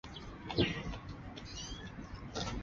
广播电台的主管机关为国家通讯传播委员会。